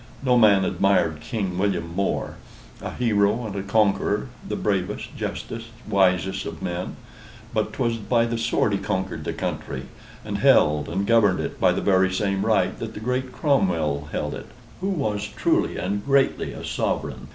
No man admired King William more; a hero and a conqueror, the bravest, justest, wisest of men but 'twas by the sword he conquered the country, and held and governed it by the very same right that the great Cromwell held it, who was truly and greatly a sovereign.